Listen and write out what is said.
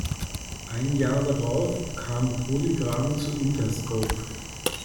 Ein Jahr darauf kam Polygram zu Interscope.